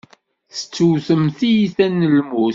Tettewtemt tiyita n lmut.